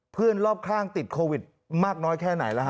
เพื่อนรอบข้างติดโควิดมากน้อยแค่ไหนแล้วฮ